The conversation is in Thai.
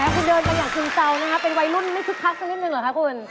แล้วคุณเดินไปอย่างซึมเตานะครับเป็นวัยรุ่นไม่คึกคักสักนิดนึงหรือครับคุณ